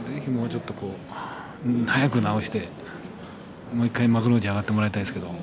早く治してもう１回幕内に上がってもらいたいですけど。